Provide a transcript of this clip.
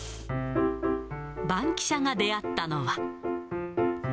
バンキシャが出会ったのは。